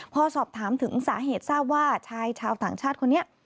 พอสอบถามถึงสาเหตุทราบว่าชายชาวต่างชาติคนนี้